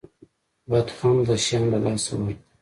بد خونده شیان له لاسه ورکه.